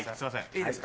いいですか？